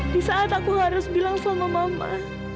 di saat aku harus bilang sama mama